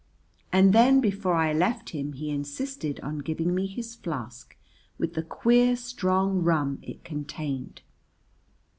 And then before I left him he insisted on giving me his flask with the queer strong rum it contained.